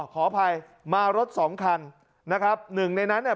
ขออภัยมารถสองคันนะครับหนึ่งในนั้นเนี่ย